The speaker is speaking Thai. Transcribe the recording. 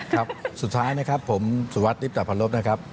ครับสุดท้ายนะครับผมสุวัสดิบตะพันลบนะครับ